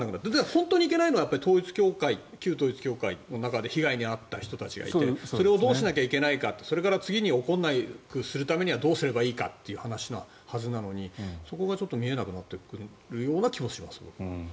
本当にいけないのは旧統一教会の中で被害に遭った人たちがいてそれをどうしなきゃいけないかそれから次に起こらなくするためにはどうすればいいのかという話なのにそこが見えなくなってくるような気もします。